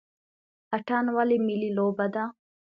اتن ولې ملي لوبه ده؟